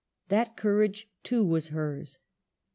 That courage, too, was hers.